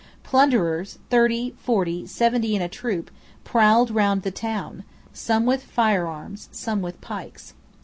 Plunderers, thirty, forty, seventy in a troop, prowled round the town, some with firearms, some with pikes.